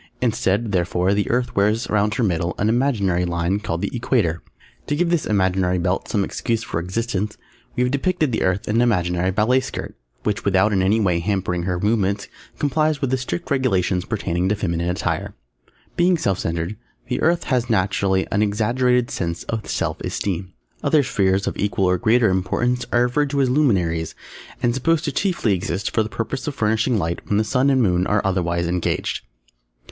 Instead, therefore, the Earth wears round her middle an imaginary line called the Equator. To give this imaginary belt some excuse for existence we have depicted the Earth in an imaginary ballet skirt, which without in any way hampering her movements complies with the strict regulations pertaining to feminine attire. Being self centred, the Earth has naturally an exaggerated sense of self esteem. Other Spheres of equal or greater importance are referred to as "Luminaries" and supposed to exist chiefly for the purpose of furnishing light when the Sun and Moon are otherwise engaged.